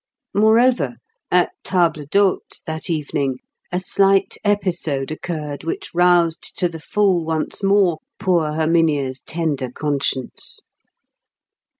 Moreover, at table d'hôte that evening, a slight episode occurred which roused to the full once more poor Herminia's tender conscience.